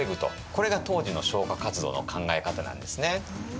これが当時の消火活動の考え方なんですね。